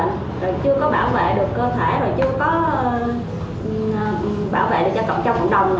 rồi chưa có bảo vệ được cơ thể rồi chưa có bảo vệ được cho cộng trong cộng đồng